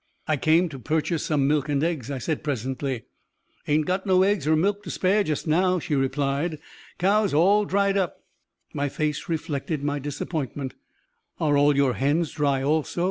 "I came to purchase some milk and eggs," I said presently. "Ain't got no eggs er milk to spare jest now," she replied; "cows all dried up." My face reflected my disappointment. "Are all your hens dry also?"